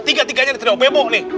tiga tiganya nih tidak bebo nih